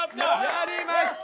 やりました！